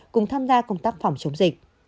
cùng tham gia công tác phòng chống dịch